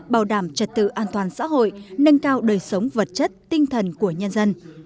bảo đảm trật tự an toàn xã hội nâng cao đời sống vật chất tinh thần của nhân dân